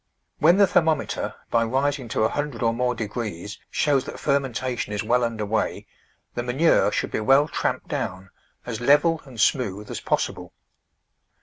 When the thermometer by rising to ioo or more degrees shows that fermentation is well under way, the manure should be well tramped down, as level and smooth as possible.